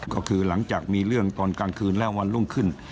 ก็คือหลังจากมีเรื่องตอนกลางคืนและวันรุ่งขึ้น